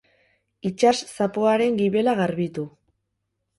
Itsas zapoaren gibela garbitu.